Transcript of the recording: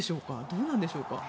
どうなんでしょうか。